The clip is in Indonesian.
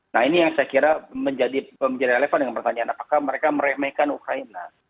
nah ini yang saya kira menjadi relevan dengan pertanyaan apakah mereka meremehkan ukraina